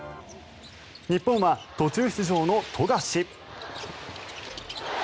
日本は途中出場の富樫。